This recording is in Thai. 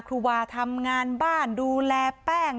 ครูวาทำงานบ้านดูแลแป้ง